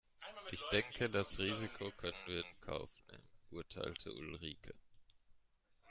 "Ich denke das Risiko können wir in Kauf nehmen", urteilte Ulrike.